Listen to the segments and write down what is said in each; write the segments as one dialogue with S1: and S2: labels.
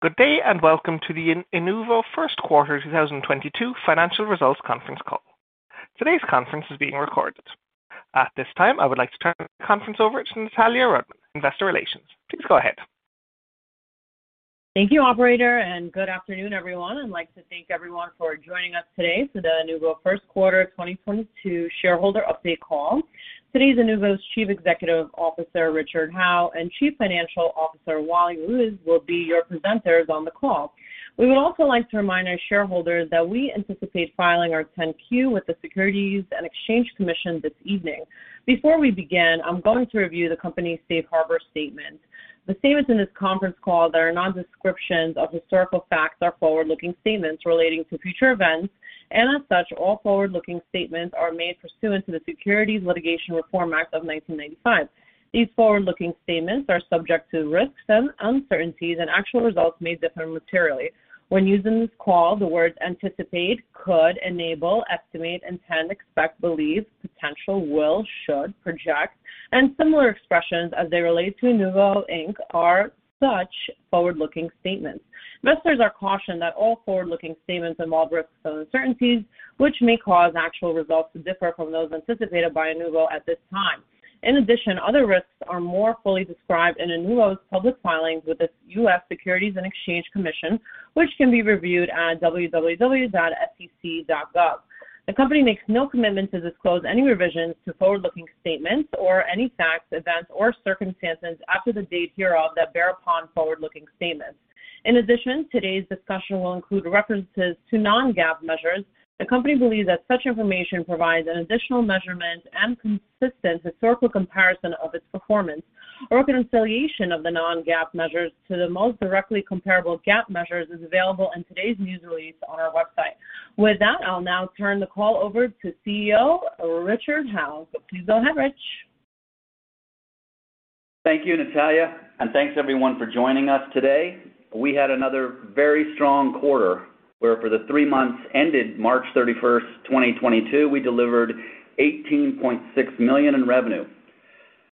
S1: Good day, and welcome to the Inuvo First Quarter 2022 Financial Results Conference Call. Today's conference is being recorded. At this time, I would like to turn the conference over to Natalya Rudman, Investor Relations. Please go ahead.
S2: Thank you, operator, and good afternoon, everyone. I'd like to thank everyone for joining us today for the Inuvo First Quarter 2022 Shareholder Update Call. Today's Inuvo's Chief Executive Officer, Richard Howe, and Chief Financial Officer, Wally Ruiz, will be your presenters on the call. We would also like to remind our shareholders that we anticipate filing our 10-Q with the Securities and Exchange Commission this evening. Before we begin, I'm going to review the company's safe harbor statement. The statements in this conference call that are not descriptions of historical facts are forward-looking statements relating to future events, and as such, all forward-looking statements are made pursuant to the Private Securities Litigation Reform Act of 1995. These forward-looking statements are subject to risks and uncertainties, and actual results may differ materially. When used in this call, the words anticipate, could, enable, estimate, intend, expect, believe, potential, will, should, project, and similar expressions as they relate to Inuvo, Inc. are such forward-looking statements. Investors are cautioned that all forward-looking statements involve risks and uncertainties, which may cause actual results to differ from those anticipated by Inuvo at this time. In addition, other risks are more fully described in Inuvo's public filings with the U.S. Securities and Exchange Commission, which can be reviewed at www.sec.gov. The company makes no commitment to disclose any revisions to forward-looking statements or any facts, events, or circumstances after the date hereof that bear upon forward-looking statements. In addition, today's discussion will include references to non-GAAP measures. The company believes that such information provides an additional measurement and consistent historical comparison of its performance, or reconciliation of the non-GAAP measures to the most directly comparable GAAP measures is available in today's news release on our website. With that, I'll now turn the call over to CEO Richard Howe. Please go ahead, Rich.
S3: Thank you, Natalia, and thanks everyone for joining us today. We had another very strong quarter where for the three months ended March 31st, 2022, we delivered $18.6 million in revenue,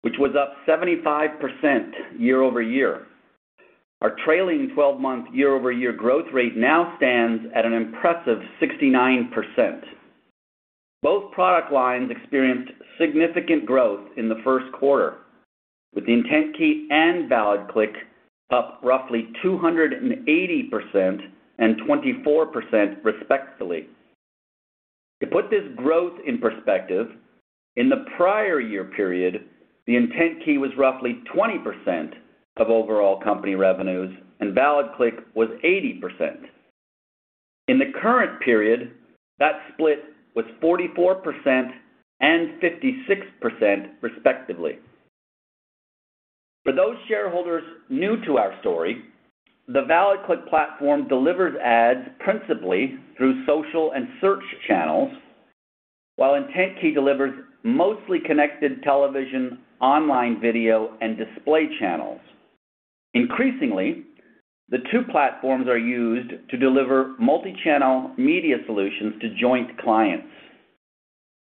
S3: which was up 75% year-over-year. Our trailing twelve-month year-over-year growth rate now stands at an impressive 69%. Both product lines experienced significant growth in the first quarter. With the IntentKey and ValidClick up roughly 280% and 24% respectively. To put this growth in perspective, in the prior year period, the IntentKey was roughly 20% of overall company revenues and ValidClick was 80%. In the current period, that split was 44% and 56% respectively. For those shareholders new to our story, the ValidClick platform delivers ads principally through social and search channels, while IntentKey delivers mostly connected television, online video, and display channels. Increasingly, the two platforms are used to deliver multichannel media solutions to joint clients.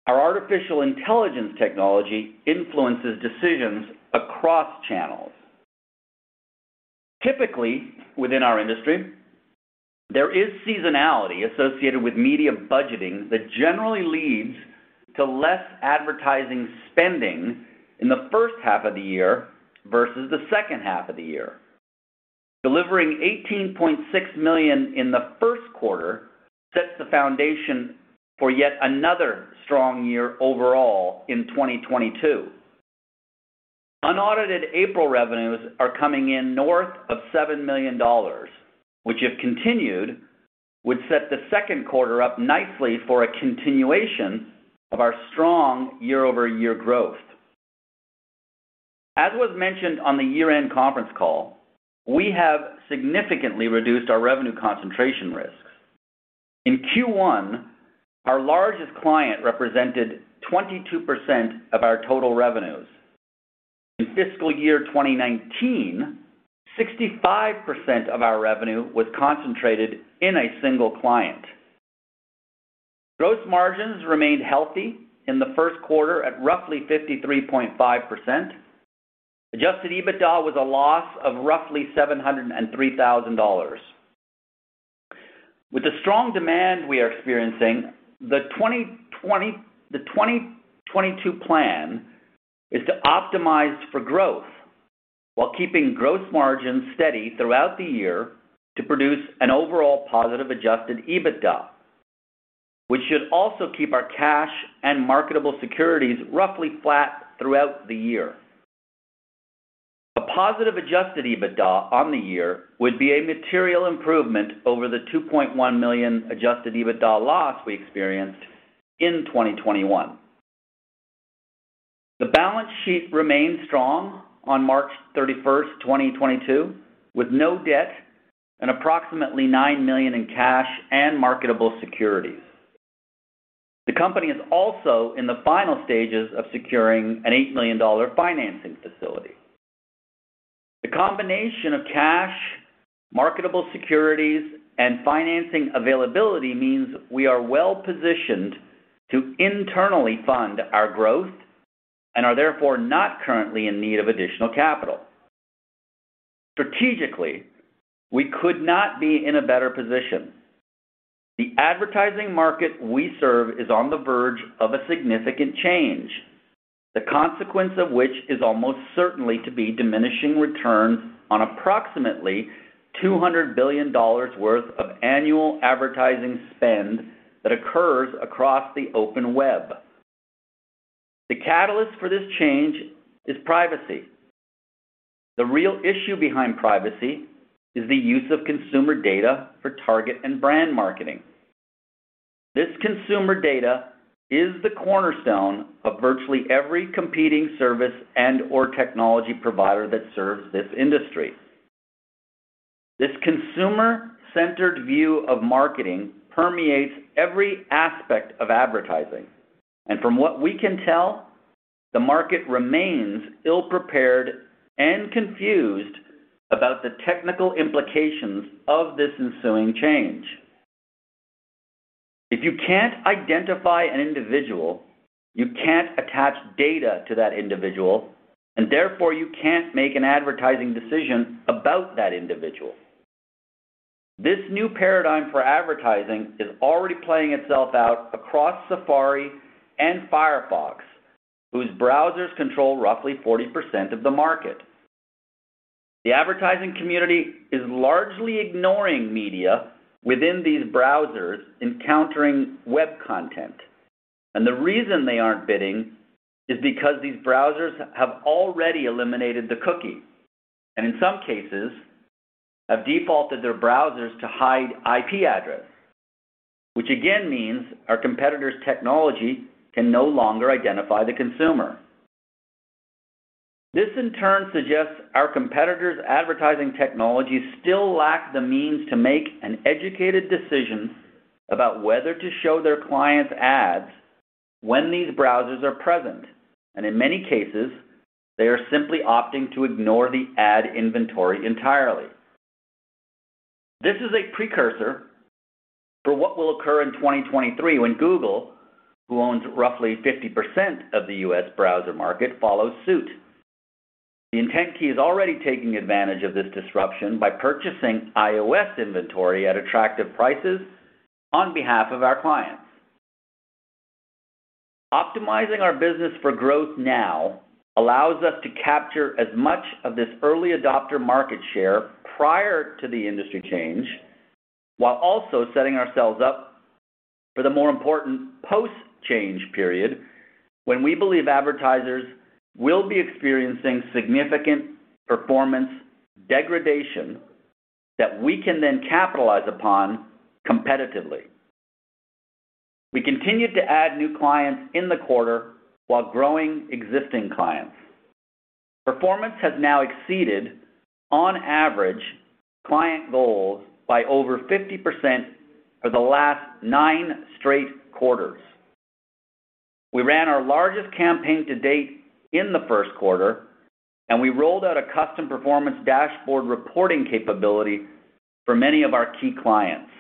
S3: Our artificial intelligence technology influences decisions across channels. Typically, within our industry, there is seasonality associated with media budgeting that generally leads to less advertising spending in the first half of the year versus the second half of the year. Delivering $18.6 million in the first quarter sets the foundation for yet another strong year overall in 2022. Unaudited April revenues are coming in north of $7 million, which if continued, would set the second quarter up nicely for a continuation of our strong year-over-year growth. As was mentioned on the year-end conference call, we have significantly reduced our revenue concentration risks. In Q1, our largest client represented 22% of our total revenues. In fiscal year 2019, 65% of our revenue was concentrated in a single client. Gross margins remained healthy in the first quarter at roughly 53.5%. Adjusted EBITDA was a loss of roughly $703,000. With the strong demand we are experiencing, the 2022 plan is to optimize for growth while keeping gross margins steady throughout the year to produce an overall positive Adjusted EBITDA. We should also keep our cash and marketable securities roughly flat throughout the year. A positive Adjusted EBITDA on the year would be a material improvement over the $2.1 million Adjusted EBITDA loss we experienced in 2021. The balance sheet remained strong on March 31st, 2022, with no debt and approximately $9 million in cash and marketable securities. The company is also in the final stages of securing an $8 million financing facility. The combination of cash, marketable securities, and financing availability means we are well-positioned to internally fund our growth and are therefore not currently in need of additional capital. Strategically, we could not be in a better position. The advertising market we serve is on the verge of a significant change, the consequence of which is almost certainly to be diminishing returns on approximately $200 billion worth of annual advertising spend that occurs across the open web. The catalyst for this change is privacy. The real issue behind privacy is the use of consumer data for target and brand marketing. This consumer data is the cornerstone of virtually every competing service and/or technology provider that serves this industry. This consumer-centered view of marketing permeates every aspect of advertising. From what we can tell, the market remains ill-prepared and confused about the technical implications of this ensuing change. If you can't identify an individual, you can't attach data to that individual, and therefore you can't make an advertising decision about that individual. This new paradigm for advertising is already playing itself out across Safari and Firefox, whose browsers control roughly 40% of the market. The advertising community is largely ignoring media within these browsers encountering web content. The reason they aren't bidding is because these browsers have already eliminated the cookie, and in some cases, have defaulted their browsers to hide IP address. Which again means our competitors' technology can no longer identify the consumer. This in turn suggests our competitors' advertising technologies still lack the means to make an educated decision about whether to show their clients ads when these browsers are present. In many cases, they are simply opting to ignore the ad inventory entirely. This is a precursor for what will occur in 2023 when Google, who owns roughly 50% of the U.S. browser market, follows suit. The IntentKey is already taking advantage of this disruption by purchasing iOS inventory at attractive prices on behalf of our clients. Optimizing our business for growth now allows us to capture as much of this early adopter market share prior to the industry change, while also setting ourselves up for the more important post-change period, when we believe advertisers will be experiencing significant performance degradation that we can then capitalize upon competitively. We continued to add new clients in the quarter while growing existing clients. Performance has now exceeded, on average, client goals by over 50% for the last nine straight quarters. We ran our largest campaign to date in the first quarter, and we rolled out a custom performance dashboard reporting capability for many of our key clients.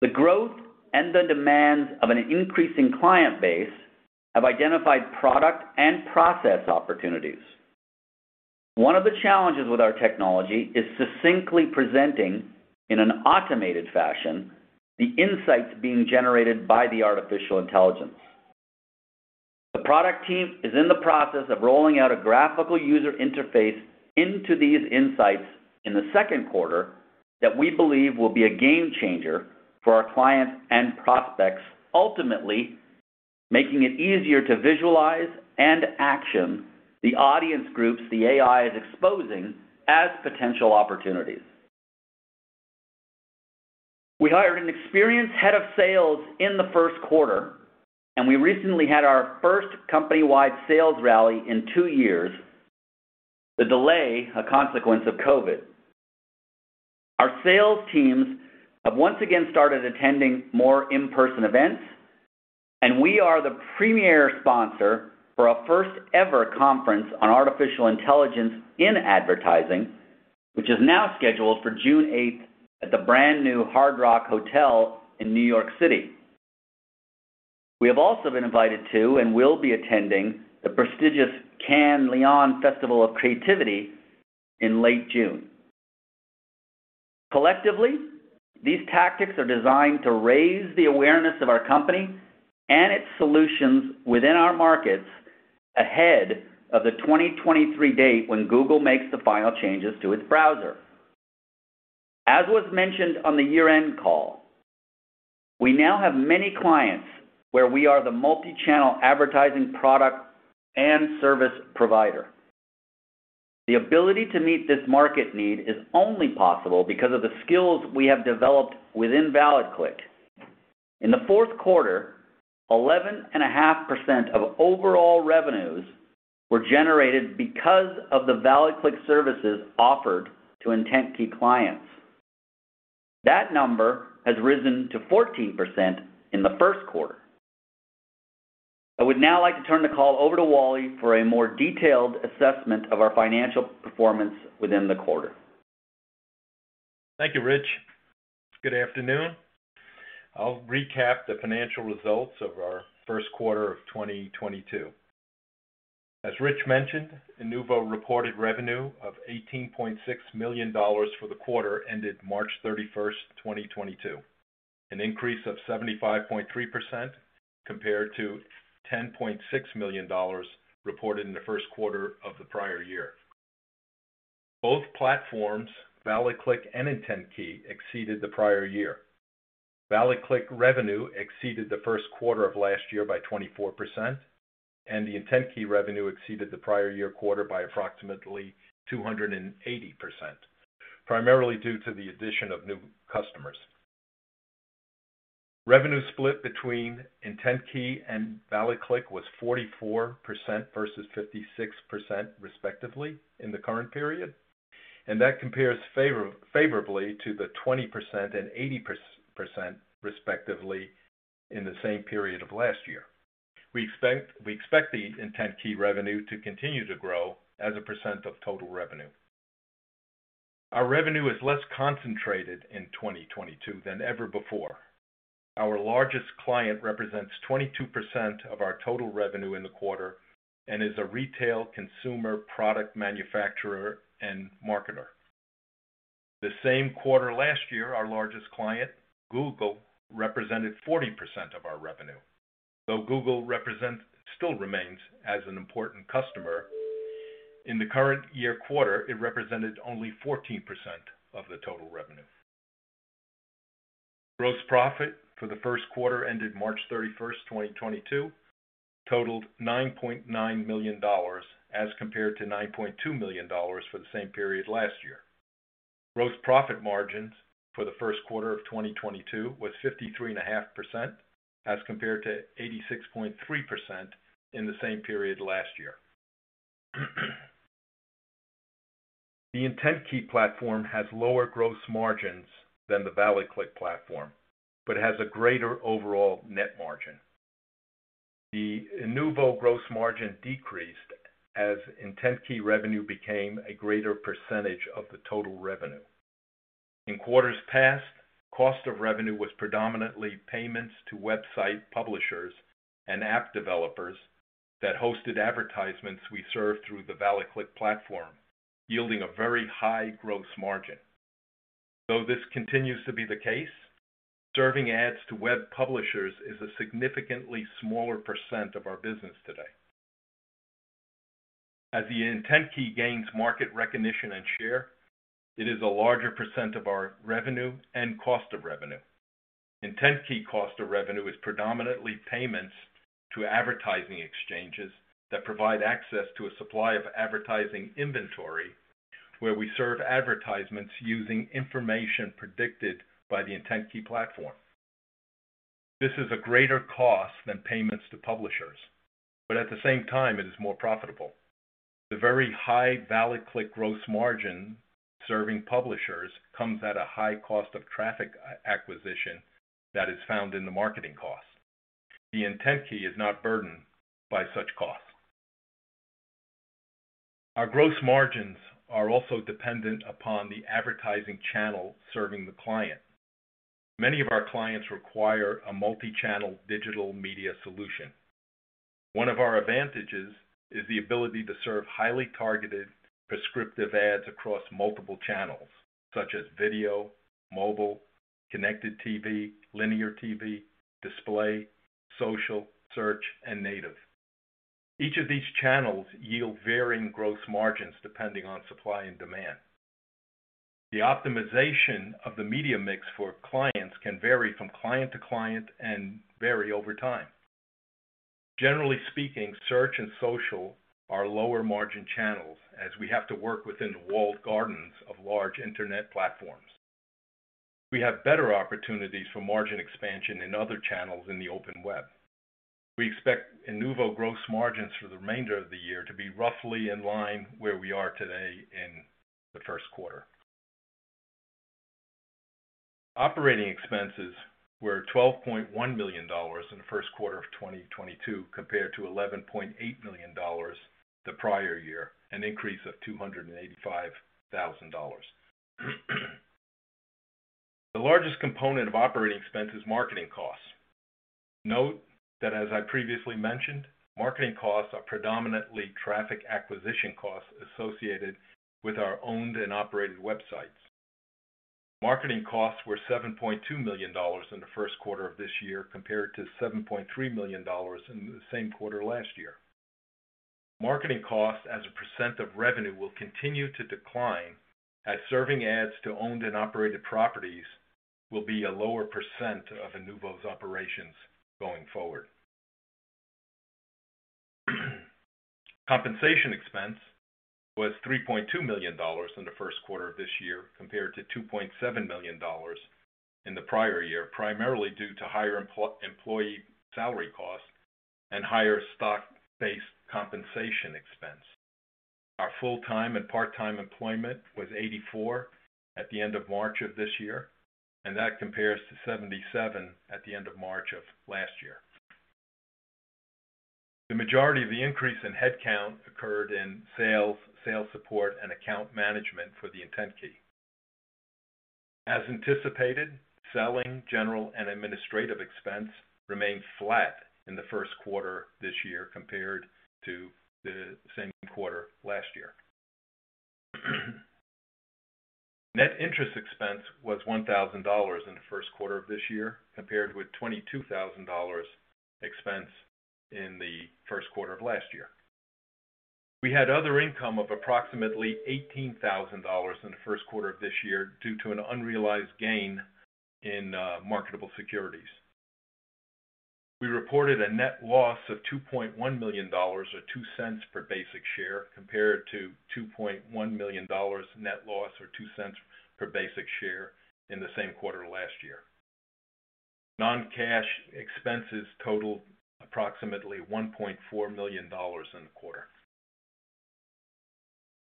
S3: The growth and the demands of an increasing client base have identified product and process opportunities. One of the challenges with our technology is succinctly presenting, in an automated fashion, the insights being generated by the artificial intelligence. The product team is in the process of rolling out a graphical user interface into these insights in the second quarter that we believe will be a game changer for our clients and prospects, ultimately making it easier to visualize and action the audience groups the AI is exposing as potential opportunities. We hired an experienced head of sales in the first quarter, and we recently had our first company-wide sales rally in two years. The delay, a consequence of COVID. Our sales teams have once again started attending more in-person events, and we are the premier sponsor for a first-ever conference on artificial intelligence in advertising, which is now scheduled for June 8th at the brand-new Hard Rock Hotel in New York City. We have also been invited to and will be attending the prestigious Cannes Lions Festival of Creativity in late June. Collectively, these tactics are designed to raise the awareness of our company and its solutions within our markets ahead of the 2023 date when Google makes the final changes to its browser. As was mentioned on the year-end call, we now have many clients where we are the multi-channel advertising product and service provider. The ability to meet this market need is only possible because of the skills we have developed within ValidClick. In the fourth quarter, 11.5% of overall revenues were generated because of the ValidClick services offered to IntentKey clients. That number has risen to 14% in the first quarter. I would now like to turn the call over to Wally for a more detailed assessment of our financial performance within the quarter.
S4: Thank you, Rich. Good afternoon. I'll recap the financial results of our first quarter of 2022. As Rich mentioned, Inuvo reported revenue of $18.6 million for the quarter ended March 31st, 2022, an increase of 75.3% compared to $10.6 million reported in the first quarter of the prior year. Both platforms, ValidClick and IntentKey, exceeded the prior year. ValidClick revenue exceeded the first quarter of last year by 24%, and the IntentKey revenue exceeded the prior year quarter by approximately 280%, primarily due to the addition of new customers. Revenue split between IntentKey and ValidClick was 44% versus 56%, respectively, in the current period. That compares favorably to the 20% and 80%, respectively, in the same period of last year. We expect the IntentKey revenue to continue to grow as a percent of total revenue. Our revenue is less concentrated in 2022 than ever before. Our largest client represents 22% of our total revenue in the quarter and is a retail consumer product manufacturer and marketer. The same quarter last year, our largest client, Google, represented 40% of our revenue. Though Google represents still remains as an important customer, in the current year quarter, it represented only 14% of the total revenue. Gross profit for the first quarter ended March 31st, 2022 totaled $9.9 million as compared to $9.2 million for the same period last year. Gross profit margins for the first quarter of 2022 was 53.5% as compared to 86.3% in the same period last year. The IntentKey platform has lower gross margins than the ValidClick platform, but has a greater overall net margin. The Inuvo gross margin decreased as IntentKey revenue became a greater percentage of the total revenue. In quarters past, cost of revenue was predominantly payments to website publishers and app developers that hosted advertisements we served through the ValidClick platform, yielding a very high gross margin. Though this continues to be the case, serving ads to web publishers is a significantly smaller percent of our business today. As the IntentKey gains market recognition and share, it is a larger percent of our revenue and cost of revenue. IntentKey cost of revenue is predominantly payments to advertising exchanges that provide access to a supply of advertising inventory, where we serve advertisements using information predicted by the IntentKey platform. This is a greater cost than payments to publishers, but at the same time it is more profitable. The very high ValidClick gross margin serving publishers comes at a high cost of traffic acquisition that is found in the marketing cost. The IntentKey is not burdened by such costs. Our gross margins are also dependent upon the advertising channel serving the client. Many of our clients require a multi-channel digital media solution. One of our advantages is the ability to serve highly targeted prescriptive ads across multiple channels such as video, mobile, connected TV, linear TV, display, social, search, and native. Each of these channels yield varying gross margins depending on supply and demand. The optimization of the media mix for clients can vary from client to client and vary over time. Generally speaking, search and social are lower margin channels as we have to work within the walled gardens of large internet platforms. We have better opportunities for margin expansion in other channels in the open web. We expect Inuvo gross margins for the remainder of the year to be roughly in line where we are today in the first quarter. Operating expenses were $12.1 million in the first quarter of 2022 compared to $11.8 million the prior year, an increase of $285,000. The largest component of operating expense is marketing costs. Note that as I previously mentioned, marketing costs are predominantly traffic acquisition costs associated with our owned and operated websites. Marketing costs were $7.2 million in the first quarter of this year, compared to $7.3 million in the same quarter last year. Marketing costs as a percent of revenue will continue to decline as serving ads to owned and operated properties will be a lower percent of Inuvo's operations going forward. Compensation expense was $3.2 million in the first quarter of this year, compared to $2.7 million in the prior year, primarily due to higher employee salary costs and higher stock-based compensation expense. Our full-time and part-time employment was 84 at the end of March of this year, and that compares to 77 at the end of March of last year. The majority of the increase in headcount occurred in sales support, and account management for the IntentKey. As anticipated, selling, general and administrative expense remained flat in the first quarter this year compared to the same quarter last year. Net interest expense was $1,000 in the first quarter of this year, compared with $22,000 expense in the first quarter of last year. We had other income of approximately $18,000 in the first quarter of this year due to an unrealized gain in marketable securities. We reported a net loss of $2.1 million or $0.02 per basic share, compared to $2.1 million net loss or $0.02 per basic share in the same quarter last year. Non-cash expenses totaled approximately $1.4 million in the quarter.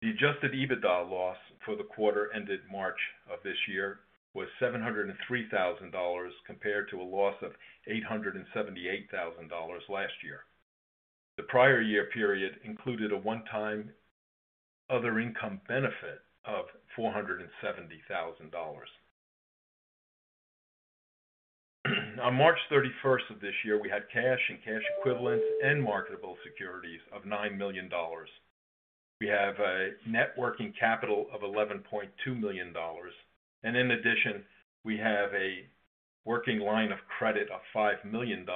S4: The Adjusted EBITDA loss for the quarter ended March of this year was $703,000, compared to a loss of $878,000 last year. The prior year period included a one-time other income benefit of $470,000. On March 31st of this year, we had cash and cash equivalents and marketable securities of $9 million. We have a net working capital of $11.2 million. In addition, we have a working line of credit of $5 million,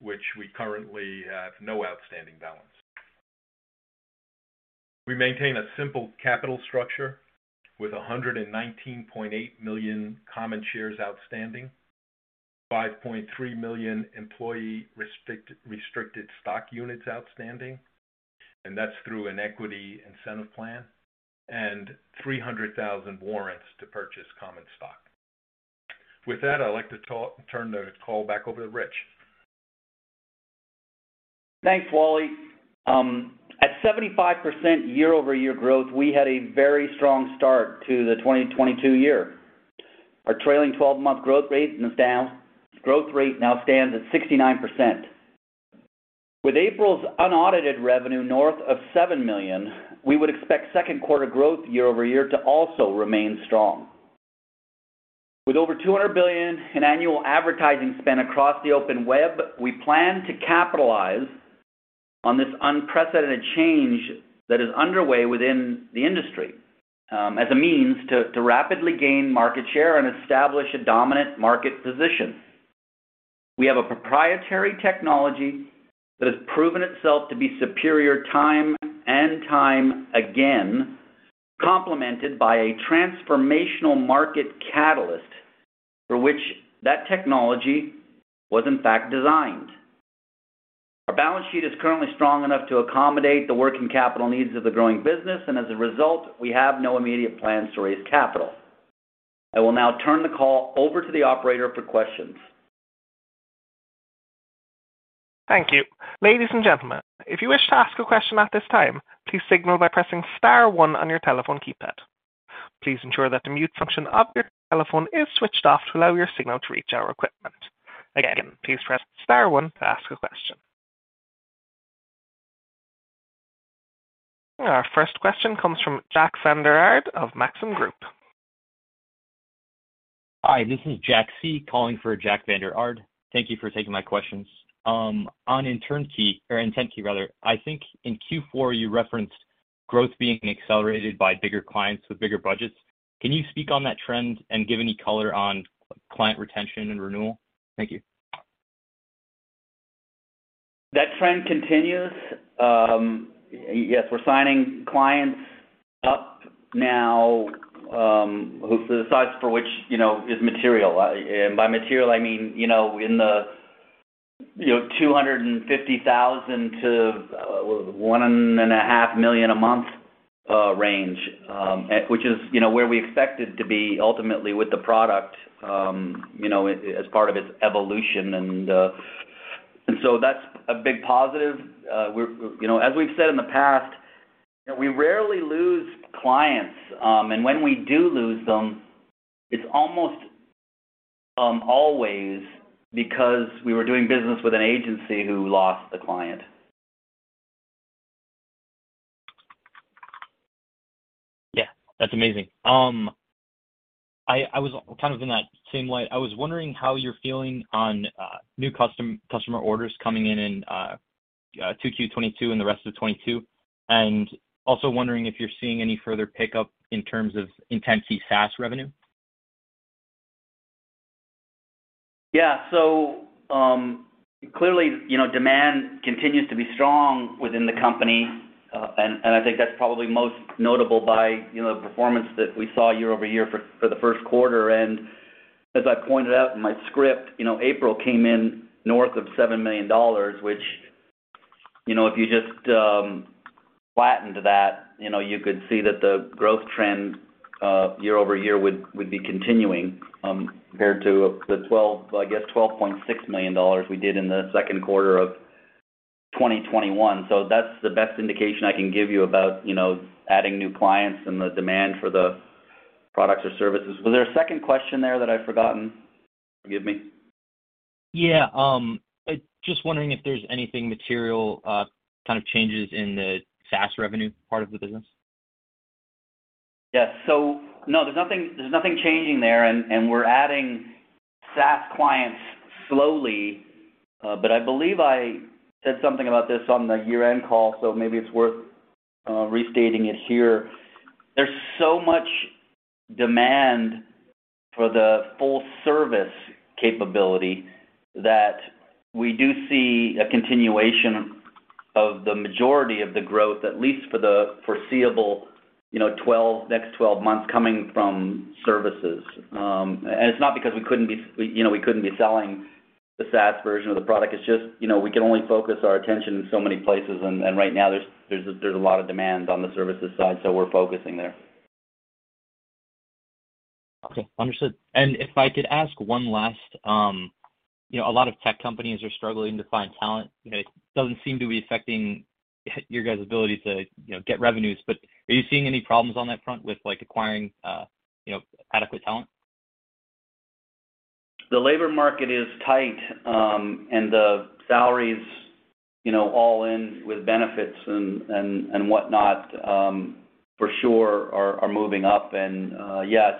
S4: which we currently have no outstanding balance. We maintain a simple capital structure with 119.8 million common shares outstanding, 5.3 million employee restricted stock units outstanding, and that's through an equity incentive plan, and 300,000 warrants to purchase common stock. With that, I'd like to turn the call back over to Rich.
S3: Thanks, Wally. At 75% year-over-year growth, we had a very strong start to the 2022 year. Our trailing 12-month growth rate now stands at 69%. With April's unaudited revenue north of $7 million, we would expect second quarter growth year-over-year to also remain strong. With over $200 billion in annual advertising spend across the open web, we plan to capitalize on this unprecedented change that is underway within the industry, as a means to rapidly gain market share and establish a dominant market position. We have a proprietary technology that has proven itself to be superior time and time again, complemented by a transformational market catalyst for which that technology was in fact designed. Our balance sheet is currently strong enough to accommodate the working capital needs of the growing business, and as a result, we have no immediate plans to raise capital. I will now turn the call over to the operator for questions.
S1: Thank you. Ladies and gentlemen, if you wish to ask a question at this time, please signal by pressing star one on your telephone keypad. Please ensure that the mute function of your telephone is switched off to allow your signal to reach our equipment. Again, please press star one to ask a question. Our first question comes from Jack Vander Aarde of Maxim Group.
S5: Hi, this is Jack C. calling for Jack Vander Aarde. Thank you for taking my questions. On IntentKey rather, I think in Q4, you referenced growth being accelerated by bigger clients with bigger budgets. Can you speak on that trend and give any color on client retention and renewal? Thank you.
S3: That trend continues. Yes, we're signing clients up now, the size for which you know, is material. By material I mean, you know, in the $250,000-$1.5 million a month range, which is, you know, where we expect it to be ultimately with the product, as part of its evolution. So that's a big positive. We're, you know, as we've said in the past, you know, we rarely lose clients. When we do lose them, it's almost always because we were doing business with an agency who lost the client.
S5: Yeah, that's amazing. I was kind of in that same light. I was wondering how you're feeling on new custom customer orders coming in 2Q 2022 and the rest of 2022, and also wondering if you're seeing any further pickup in terms of IntentKey SaaS revenue.
S3: Yeah. Clearly, you know, demand continues to be strong within the company. I think that's probably most notable by, you know, the performance that we saw year-over-year for the first quarter. As I pointed out in my script, you know, April came in north of $7 million, which, you know, if you just flattened that, you know, you could see that the growth trend year-over-year would be continuing compared to the $12.6 million we did in the second quarter of 2021. That's the best indication I can give you about, you know, adding new clients and the demand for the products or services. Was there a second question there that I've forgotten? Forgive me.
S5: Just wondering if there's anything material, kind of changes in the SaaS revenue part of the business.
S3: Yeah. No, there's nothing changing there and we're adding SaaS clients slowly. I believe I said something about this on the year-end call, so maybe it's worth restating it here. There's so much demand for the full service capability that we do see a continuation of the majority of the growth, at least for the foreseeable, you know, next 12 months coming from services. It's not because we couldn't be, you know, selling the SaaS version of the product. It's just, you know, we can only focus our attention in so many places. Right now there's a lot of demand on the services side, so we're focusing there.
S5: Okay. Understood. If I could ask one last. You know, a lot of tech companies are struggling to find talent, and it doesn't seem to be affecting your guys' ability to, you know, get revenues. But are you seeing any problems on that front with, like, acquiring, you know, adequate talent?
S3: The labor market is tight, and the salaries, you know, all in with benefits and whatnot, for sure are moving up. Yes,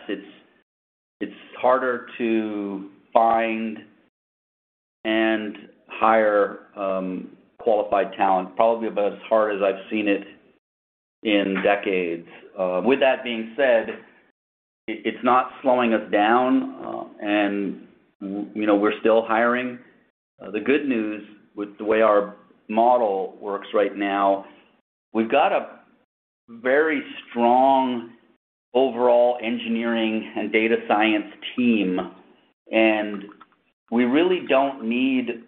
S3: it's harder to find and hire qualified talent, probably about as hard as I've seen it in decades. With that being said, it's not slowing us down, and, you know, we're still hiring. The good news with the way our model works right now, we've got a very strong overall engineering and data science team, and we really don't need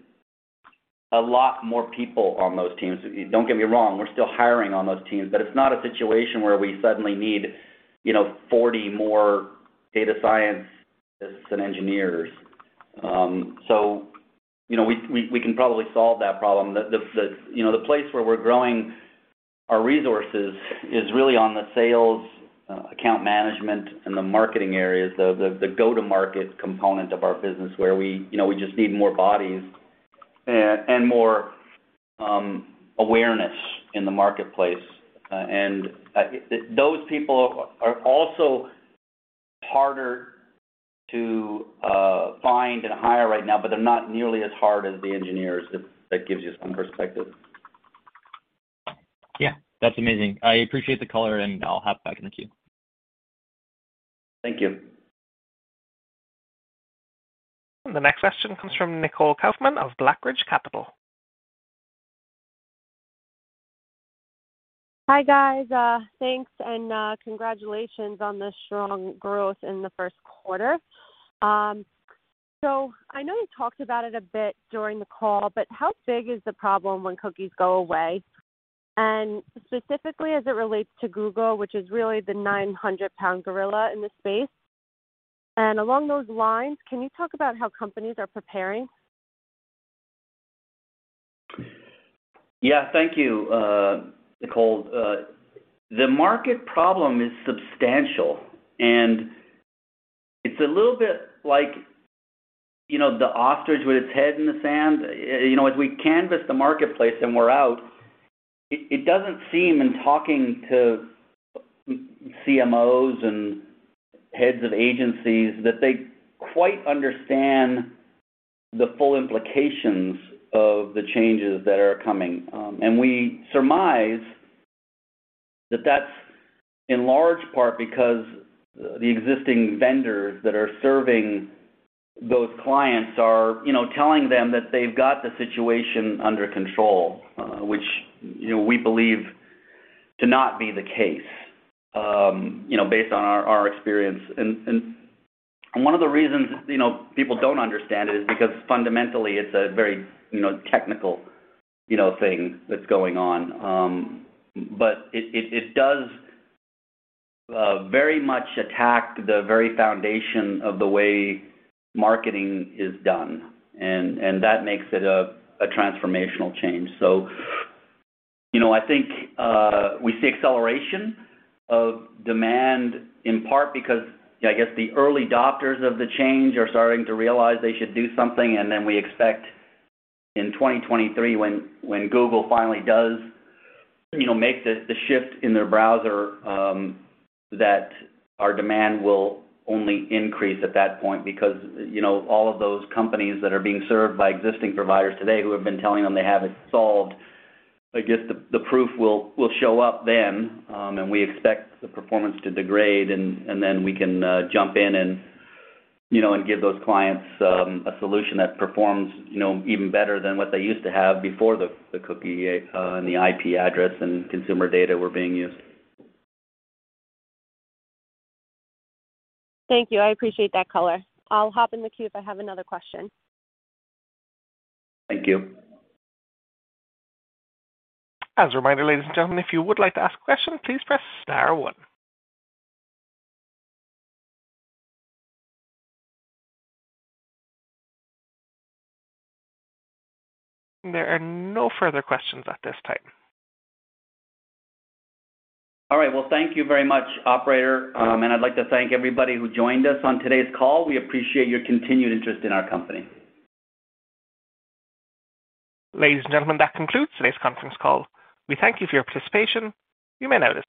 S3: a lot more people on those teams. Don't get me wrong, we're still hiring on those teams, but it's not a situation where we suddenly need, you know, 40 more data scientists and engineers. You know, we can probably solve that problem. The place where we're growing our resources is really on the sales, account management and the marketing areas, the go-to-market component of our business where we, you know, we just need more bodies and more awareness in the marketplace. Those people are also harder to find and hire right now, but they're not nearly as hard as the engineers. If that gives you some perspective.
S5: Yeah. That's amazing. I appreciate the color, and I'll hop back in the queue.
S3: Thank you.
S1: The next question comes from Nicole Kaufman of Blackridge Capital.
S6: Hi, guys. Thanks, and congratulations on the strong growth in the first quarter. So I know you talked about it a bit during the call, but how big is the problem when cookies go away? And specifically, as it relates to Google, which is really the 900-lb gorilla in this space. Along those lines, can you talk about how companies are preparing?
S3: Yeah. Thank you, Nicole. The market problem is substantial, and it's a little bit like, you know, the ostrich with its head in the sand. You know, as we canvass the marketplace and we're out, it doesn't seem, in talking to CMOs and heads of agencies, that they quite understand the full implications of the changes that are coming. We surmise that that's in large part because the existing vendors that are serving those clients are, you know, telling them that they've got the situation under control, which, you know, we believe to not be the case, based on our experience. One of the reasons, you know, people don't understand it is because fundamentally, it's a very, you know, technical, you know, thing that's going on. It does very much attack the very foundation of the way marketing is done, and that makes it a transformational change. You know, I think we see acceleration of demand in part because I guess the early adopters of the change are starting to realize they should do something. We expect in 2023, when Google finally does, you know, make the shift in their browser, that our demand will only increase at that point because, you know, all of those companies that are being served by existing providers today who have been telling them they have it solved, I guess the proof will show up then. We expect the performance to degrade and then we can jump in and, you know, and give those clients a solution that performs, you know, even better than what they used to have before the cookie and the IP address and consumer data were being used.
S6: Thank you. I appreciate that color. I'll hop in the queue if I have another question.
S3: Thank you.
S1: As a reminder, ladies and gentlemen, if you would like to ask questions, please press star one. There are no further questions at this time.
S3: All right. Well, thank you very much, operator. I'd like to thank everybody who joined us on today's call. We appreciate your continued interest in our company.
S1: Ladies and gentlemen, that concludes today's conference call. We thank you for your participation. You may now disconnect.